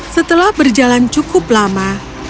setelah berjalan cukup lama